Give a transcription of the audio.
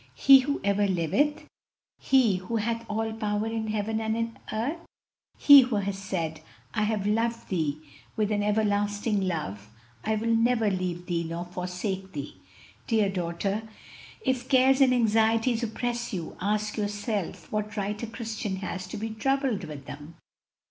He who ever liveth; He who hath all power in heaven and in earth; He who has said, 'I have loved thee with an everlasting love,' 'I will never leave thee nor forsake thee.' Dear daughter, if cares and anxieties oppress you, ask yourself what right a Christian has to be troubled with them."